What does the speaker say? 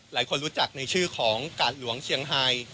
หลายคนรู้จักในชื่อของกาดหลวงเชียงไฮ